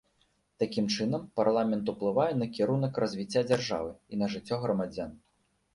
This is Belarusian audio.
Такім чынам парламент уплывае на кірунак развіцця дзяржавы і на жыццё грамадзян.